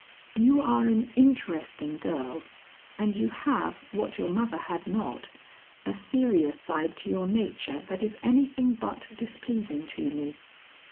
"You are an interesting girl, and you have, what your mother had not, a serious side to your nature that is anything but displeasing to me.